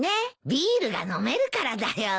ビールが飲めるからだよ。